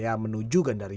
yang akan menuju gandaria